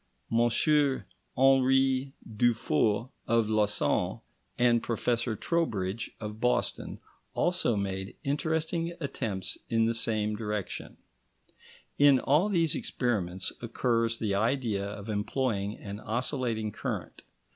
Henry Dufour of Lausanne, and Professor Trowbridge of Boston, also made interesting attempts in the same direction. In all these experiments occurs the idea of employing an oscillating current.